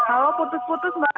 halo putus putus mbak